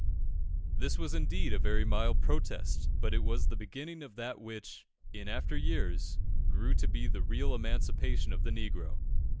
_ This was indeed a very mild protest, but it was the beginning of that which, in after years, grew to be the real Emancipation of the negro.